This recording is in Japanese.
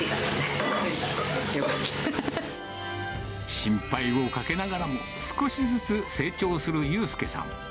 心配をかけながらも、少しずつ成長する悠佑さん。